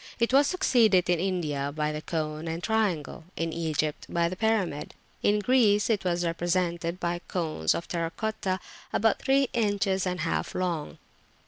It was succeeded in India by the cone and triangle; in Egypt by the pyramid; in Greece it was represented by cones of terra cotta about three inches and a half long.